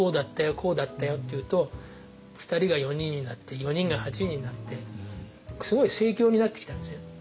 こうだったよって言うと２人が４人になって４人が８人になってすごい盛況になってきたんですよ。